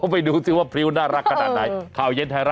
ไม่ดูซิว่าพริ้วน่ารักขนาดไหน